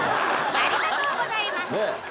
ありがとうございます。